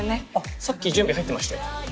さっき準備入ってましたよ。